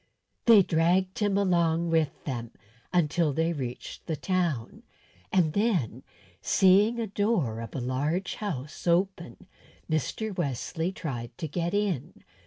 They dragged him along with them until they reached the town, and then, seeing the door of a large house open, Mr. Wesley tried to get in.